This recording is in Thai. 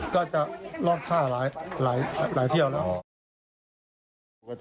ก็จะรอบท่าหลายหลายเที่ยวแล้วอ๋อ